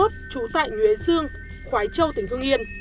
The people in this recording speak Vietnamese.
trú tại nhuế dương khói châu tỉnh hương yên